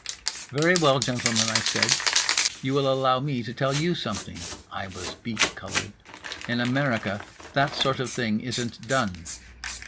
"Very well, gentlemen," I said. "You will allow me to tell you something." (I was beet colored.) "In America that sort of thing isn't done."